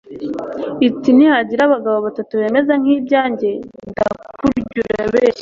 iti nihagira abagabo batatu bemeza nk'ibyange, ndakurya urabeshya